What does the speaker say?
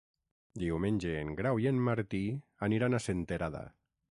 Diumenge en Grau i en Martí aniran a Senterada.